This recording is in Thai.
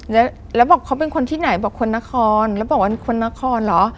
แล้วบอกเขาเป็นคนที่ไหนบอกคนนครแล้วบอกว่าคนนครเหรอ